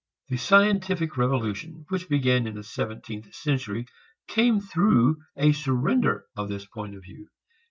The scientific revolution which began in the seventeenth century came through a surrender of this point of view.